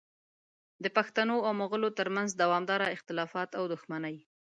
د پښتنو او مغولو ترمنځ دوامداره اختلافات او دښمنۍ